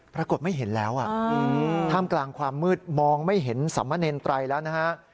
ปรากฏไม่เห็นแล้วท่ามกลางความมืดมองไม่เห็นสามเณรไตรแล้วนะฮะ